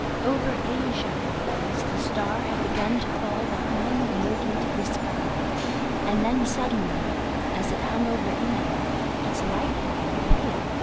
Over Asia it was the star had begun to fall behind the movement of the sky, and then suddenly, as it hung over India, its light had been veiled.